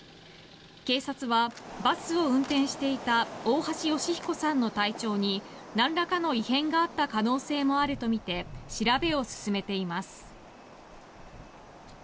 警察は、バスを運転していた大橋義彦さんの体調になんらかの異変があった可能性もあるとみて調べを進めています。